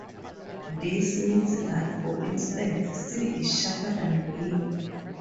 This means that, for instance, C' is sharper than B.